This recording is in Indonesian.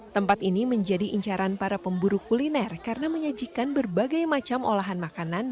tempat ini menjadi incaran para pemburu kuliner karena menyajikan berbagai macam olahan makanan